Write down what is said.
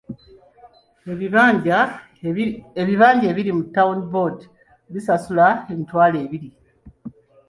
Ebibanja ebiri mu Town Board bisasula emitwalo ebiri.